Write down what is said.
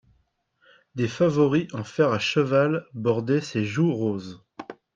Des favoris en fer a cheval bordaient ses joues roses.